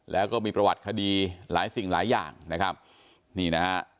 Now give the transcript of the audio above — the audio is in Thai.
แล้วก็มีประวัติคดีหลายสิ่งหลายอย่างนะครับนี่นะฮะ